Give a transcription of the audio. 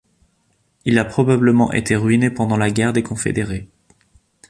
Il a probablement été ruiné pendant la guerre des Confédérés.